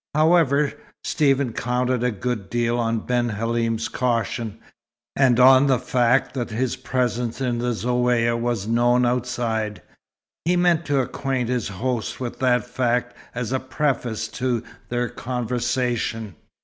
However, Stephen counted a good deal on Ben Halim's caution, and on the fact that his presence in the Zaouïa was known outside. He meant to acquaint his host with that fact as a preface to their conversation.